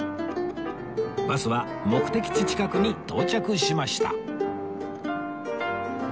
バスは目的地近くに到着しました